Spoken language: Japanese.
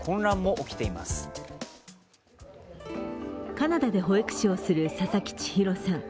カナダで保育士をする佐々木ちひろさん。